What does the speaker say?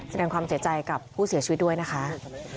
แสดงความเสียใจกับผู้เสียชีวิตด้วยนะคะ